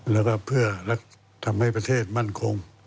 แล้วก็เพื่อทำให้ประเทศมั่นคง